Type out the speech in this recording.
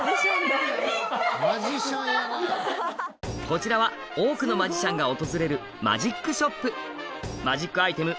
こちらは多くのマジシャンが訪れるマジックショップマジックアイテム